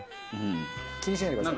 気にしないでください。